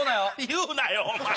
言うなよお前。